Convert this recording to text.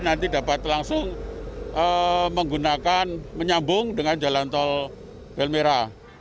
nanti dapat langsung menggunakan menyambung dengan jalan tol belmera